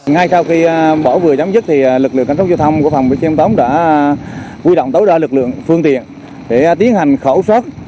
ngay sau khi bão vừa chấm dứt thì lực lượng cảnh sát giao thông của phòng bộ chính tổng đã huy động tối đa lực lượng phương tiện để tiến hành khẩu sát